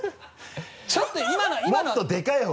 ちょっと今のは。